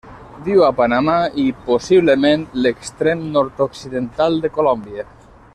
Viu a Panamà i, possiblement, l'extrem nord-occidental de Colòmbia.